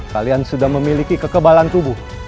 kalian sudah memiliki kekebalan tubuh